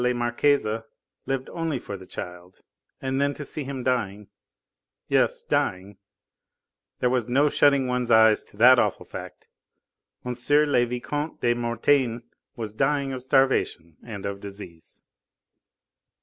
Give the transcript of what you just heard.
la Marquise lived only for the child, and then to see him dying yes, dying, there was no shutting one's eyes to that awful fact M. le Vicomte de Mortain was dying of starvation and of disease.